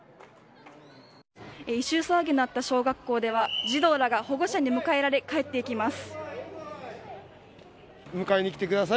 異臭騒ぎのあった小学校では児童らが保護者に迎えられ帰っていきます。